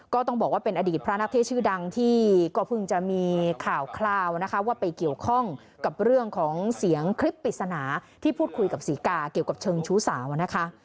ก็ต้องบอกว่าเป็นอดีตพระนักเทศชื่อดังที่ก็เพิ่งจะมีข่าวคราวนะคะว่าไปเกี่ยวข้องกับเรื่องของเสียงคลิปปริศนาที่พูดคุยกับศรีกาเกี่ยวกับเชิงชู้สาวนะคะ